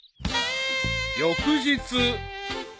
［翌日］